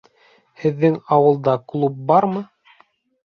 Һеҙҙең ауылда клуб бармы?